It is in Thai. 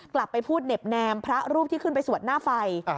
กลับไปพูดเหน็บแนมพระรูปที่ขึ้นไปสวดหน้าไฟ